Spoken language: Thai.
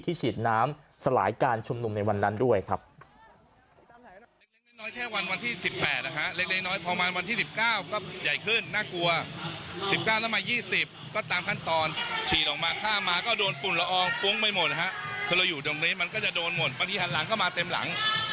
ฉีดน้ำสลายการชุมนุมในวันนั้นด้วยครับ